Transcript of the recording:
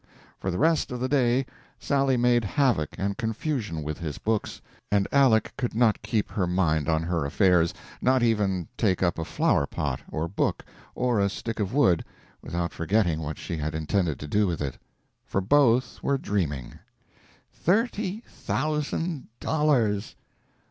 For the rest of the day Sally made havoc and confusion with his books, and Aleck could not keep her mind on her affairs, not even take up a flower pot or book or a stick of wood without forgetting what she had intended to do with it. For both were dreaming. "Thir ty thousand dollars!"